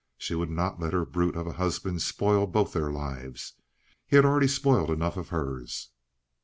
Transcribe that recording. She would not let her brute of a husband spoil both their lives. He had already spoiled enough of hers.